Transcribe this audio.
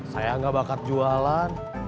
saya gak bakal jualan